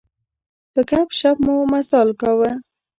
په ګپ شپ مو مزال کاوه.